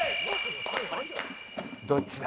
どっちだ？